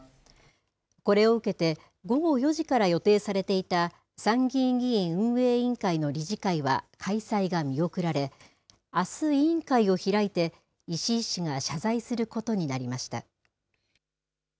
これを受けて、午後４時から予定されていた、参議院議院運営委員会の理事会は開催が見送られ、あす、委員会を開いて、石井氏が謝罪することになりました。